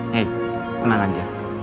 hei tenang aja